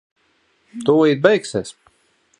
Tūlīt beigsies.